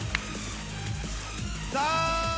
さあ。